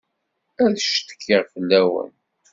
Ad ccetkiɣ fell-awen.